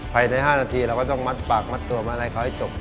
ไปใน๕นาทีเราก็ต้องมัดปากมัดตัวมาไล่เขาให้จบ